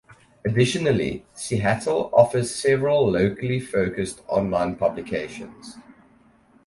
Additionally, Seattle offers several locally focused online publications.